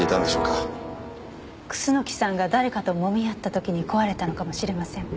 楠木さんが誰かともみ合った時に壊れたのかもしれません。